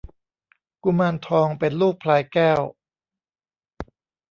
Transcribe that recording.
กุมารทองเป็นลูกพลายแก้ว